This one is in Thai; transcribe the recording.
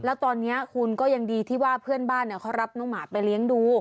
แล้วตอนนี้คุณก็ยังดีที่ว่าเพื่อนบ้านเขารับน้องหมาไปเลี้ยงดู